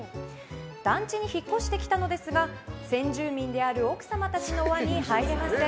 団地に引っ越してきたのですが先住民である奥様たちの輪に入れません。